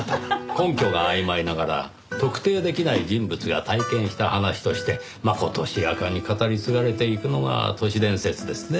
根拠が曖昧ながら特定できない人物が体験した話としてまことしやかに語り継がれていくのが都市伝説ですね。